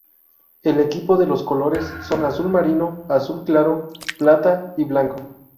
El equipo de los colores son azul marino, azul claro, plata y blanco.